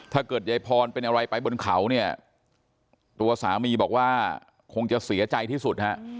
ถ้าเกิดยายพรเป็นอะไรไปบนเขาเนี่ยตัวสามีบอกว่าคงจะเสียใจที่สุดฮะ